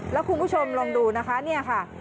แล้วคุณผู้ชมลองดูนะคะเนี่ยค่ะ